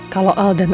kalau al dan anja